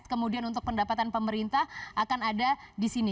kemudian untuk pendapatan pemerintah akan ada di sini